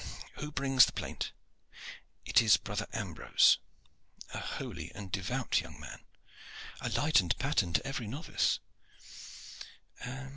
Who brings the plaint?" "It is brother Ambrose." "A holy and devout young man." "A light and a pattern to every novice."